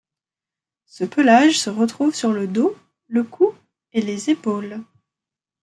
Ce pelage se retrouve sur le dos, le cou et les épaules.